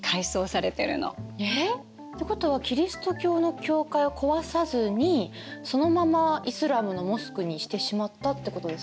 えっ！ということはキリスト教の教会を壊さずにそのままイスラームのモスクにしてしまったってことですか？